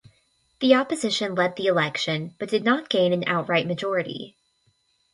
The opposition led the election, but did not gain an outright majority.